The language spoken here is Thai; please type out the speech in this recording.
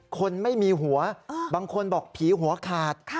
คนไม่มีหัวบางคนบอกผีหัวขาด